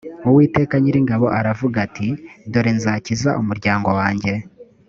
uwiteka nyiringabo aravuga ati dore nzakiza umuryango wanjye